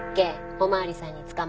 お巡りさんに捕まって。